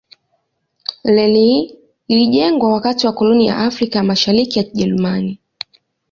Reli hii ilijengwa wakati wa koloni ya Afrika ya Mashariki ya Kijerumani.